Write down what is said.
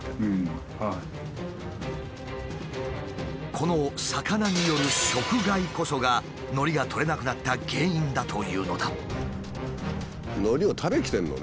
この魚による食害こそがのりが取れなくなった原因だというのだ。